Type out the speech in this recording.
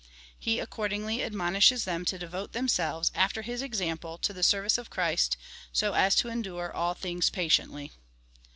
He accordingly ad monishes them to devote themselves, after his example, to the service of Christ, so as to endure all things patiently.